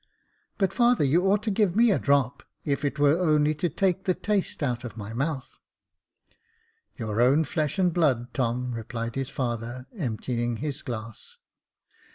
" But, father, you ought to give me a drop, if it were only to take the taste out of my mouths " Your own flesh and blood, Tom," replied his father, emptying his glass.